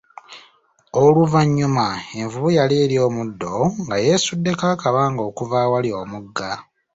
Oluvanyuma, envubu yali erya omuddo nga yesuddeko akabanga okuva awali omugga.